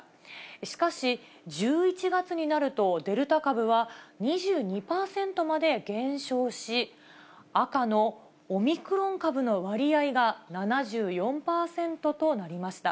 しかし、１１月になると、デルタ株は２２％まで減少し、赤のオミクロン株の割合が７４％となりました。